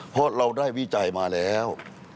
เพราะเราได้วิจัยมาแล้ว